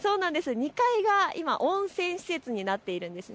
２階が今、温泉施設になっているんです。